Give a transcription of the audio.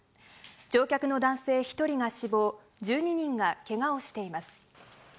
乗客の男性１人が死亡、１２人がけがをしています。